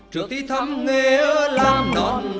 trước thì thăm nghề làm nòn